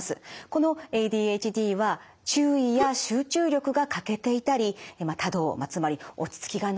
このＡＤＨＤは注意や集中力が欠けていたり多動まあ